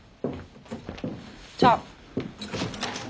じゃあね。